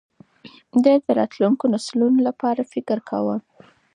ده د راتلونکو نسلونو لپاره فکر کاوه.